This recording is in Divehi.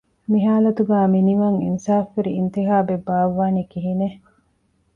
މި ހާލަތުގައި މިނިވަން އިންސާފުވެރި އިންތިހާބެއް ބާއްވާނީ ކިހިނެއް؟